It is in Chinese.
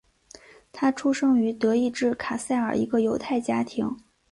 他出生于德意志卡塞尔一个犹太家庭。